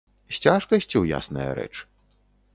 З цяжкасцю, ясная рэч.